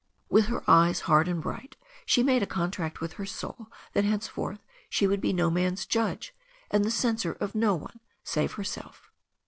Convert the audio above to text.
With her eyes hard and bright she made a contract with her soul that henceforth she would be no man's judge, and the censor of no one save herself.